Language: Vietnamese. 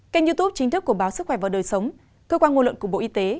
kênh youtube chính thức của báo sức khỏe và đời sống cơ quan ngôn luận của bộ y tế